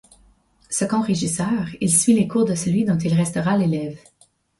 Second régisseur, il suit les cours de celui dont il restera l’élève.